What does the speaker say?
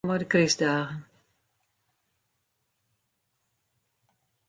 De polysje warskôget op sosjale media manmachtich foar ynbraken mei de krystdagen.